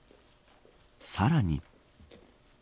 さらに。